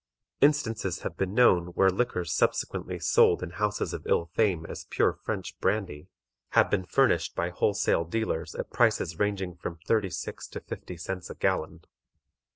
Instances have been known where liquors subsequently sold in houses of ill fame as pure French brandy have been furnished by wholesale dealers at prices ranging from thirty six to fifty cents a gallon.